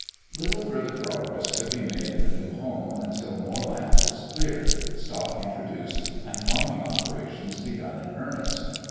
Little further progress could be made in the new home until more land was cleared, stock introduced, and farming operations begun in earnest.